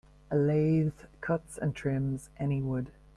A lathe cuts and trims any wood.